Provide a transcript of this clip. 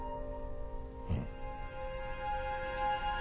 うん。